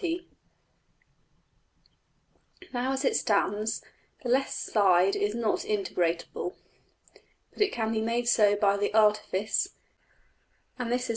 \] Now, as it stands, the left side is not integrable. But it can be made so by the artifice and this is \DPPageSep{251.